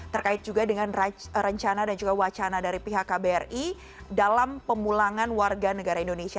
terkait juga dengan rencana dan juga wacana dari pihak kbri dalam pemulangan warga negara indonesia